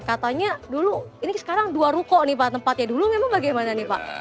katanya dulu ini sekarang dua ruko nih pak tempatnya dulu memang bagaimana nih pak